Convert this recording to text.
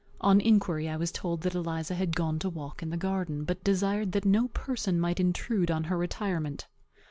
On inquiry, I was told that Eliza had gone to walk in the garden, but desired that no person might intrude on her retirement.